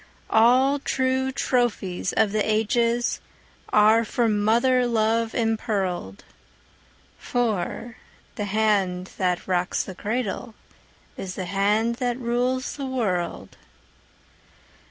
All true trophies of the ages Are from mother love impearled; For the hand that rocks the cradle Is the hand that rules the world.